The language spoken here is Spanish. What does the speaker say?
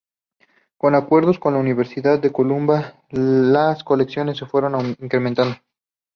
Con acuerdos con la universidad de Columbia, las colecciones se fueron incrementando.